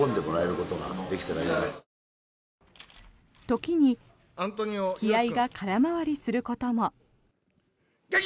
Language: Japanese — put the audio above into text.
時に気合が空回りすることも。